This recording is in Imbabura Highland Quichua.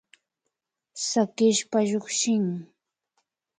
Sakishpa llukshin